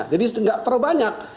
jadi tidak terlalu banyak